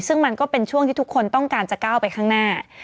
ซึ่งมันก็เป็นช่วงที่ทุกคนต้องการจะก้าวไปข้างหน้า